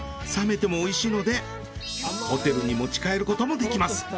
冷めても美味しいのでホテルに持ち帰ることもできます。